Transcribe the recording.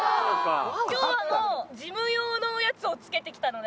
今日はもうジム用のやつを着けてきたので。